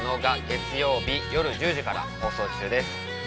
月曜日夜１０時から放送中です。